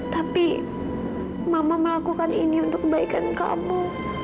tapi mama melakukan ini untuk kebaikan kamu